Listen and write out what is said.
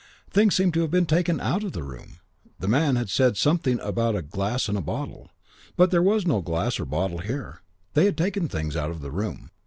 Things seemed to have been taken out of the room. The man had said something about a glass and a bottle. But there was no glass or bottle here. They had taken things out of the room.